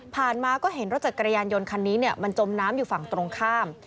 มาก็เห็นรถจักรยานยนต์คันนี้มันจมน้ำอยู่ฝั่งตรงข้าม